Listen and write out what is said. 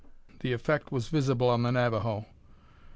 The effect was visible on the Navajo.